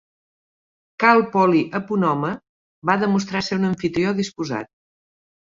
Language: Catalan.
Cal Poly a Pomona va demostrar ser un amfitrió disposat.